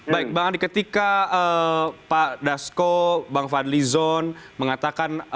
baik bang andi ketika pak dasko bang fadlizon mengatakan